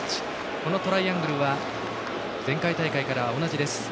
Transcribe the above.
このトライアングルは前回大会から同じです。